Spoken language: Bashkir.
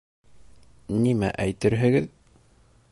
— Нимә әйтерһегеҙ?